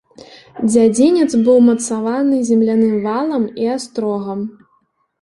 Дзядзінец быў умацаваны земляным валам і астрогам.